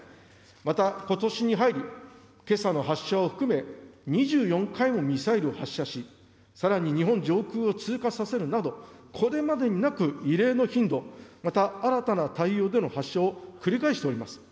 また、ことしに入り、けさの発射を含め、２４回もミサイルを発射し、さらに日本上空を通過させるなど、これまでになく異例の頻度、また新たな態様での発射を繰り返しております。